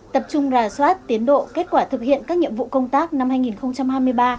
tập trung rà soát tiến độ kết quả thực hiện các nhiệm vụ công tác năm hai nghìn hai mươi ba